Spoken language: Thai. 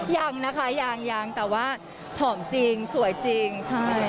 ยังนะคะยังยังแต่ว่าผอมจริงสวยจริงใช่